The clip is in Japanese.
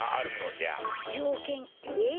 じょうけんって？